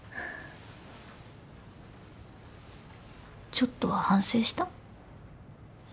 ちょっとは反省した？